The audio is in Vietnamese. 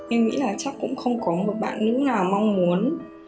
em nghĩ là chắc cũng không có một bạn nữ nào mong muốn